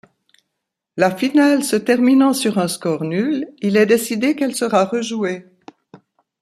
La finale se terminant sur un score nul, il est décidé qu'elle sera rejouée.